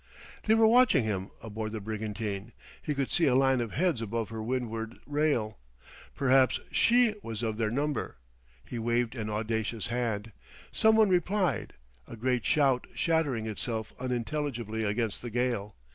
They were watching him, aboard the brigantine; he could see a line of heads above her windward rail. Perhaps she was of their number. He waved an audacious hand. Some one replied, a great shout shattering itself unintelligibly against the gale.